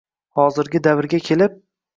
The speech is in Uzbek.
hozirgi davrga kelib